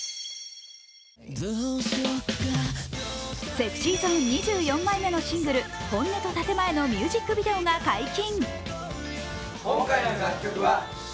ＳｅｘｙＺｏｎｅ２４枚目のシングル「本音と建前」のミュージックビデオが解禁！